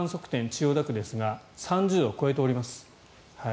千代田区ですが３０度を超えております。